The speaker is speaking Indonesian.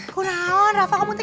kau naon rafa kamu tinggal di sini